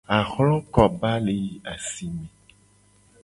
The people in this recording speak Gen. Ahlokoba le yi asi me.